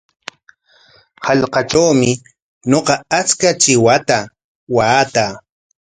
Hallqatrawmi ñuqa achka chiwata waataa.